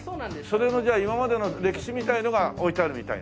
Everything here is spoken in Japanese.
それのじゃあ今までの歴史みたいなのが置いてあるみたいな。